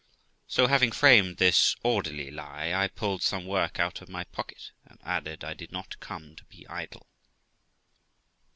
So having framed this orderly lie, I pulled some work out of my pocket, and added I did not come to be idle.